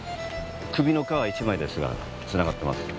首の皮一枚ですがつながってます。